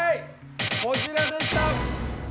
こちらでした！